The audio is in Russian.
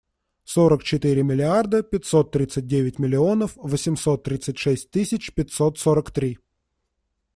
Сорок четыре миллиарда пятьсот тридцать девять миллионов восемьсот тридцать шесть тысяч пятьсот сорок три.